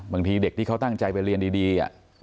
บางทีเด็กที่เขาตั้งใจไปเรียนดี